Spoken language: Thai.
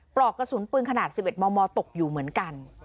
ปลอกกระสุนปืนขนาด๑๑มมตกอยู่เหมือนกัน